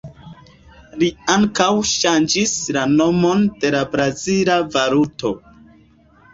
Li ankaŭ ŝanĝis la nomon de la brazila valuto.